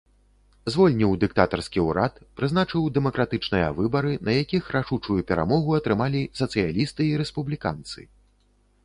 Звольніў дыктатарскі ўрад, прызначыў дэмакратычныя выбары, на якіх рашучую перамогу атрымалі сацыялісты і рэспубліканцы.